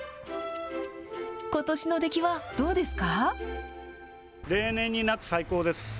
ことしの出来はどうですか。